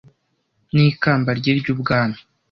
N'ikamba rye ry'ubwami.